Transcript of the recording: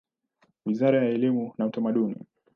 Wizara ya elimu na Utamaduni.